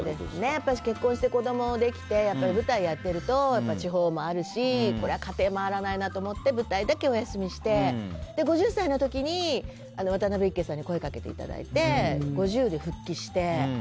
やっぱり結婚して子供ができて、舞台やってると地方回るし家庭回らないなと思って舞台だけお休みして５０歳の時に渡辺いっけいさんに声をかけていただいて５０で復帰して。